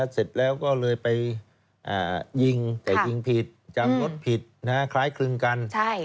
เสร็จแล้วก็เลยไปยิงแต่ยิงผิดจำรถผิดคล้ายคลึงกัน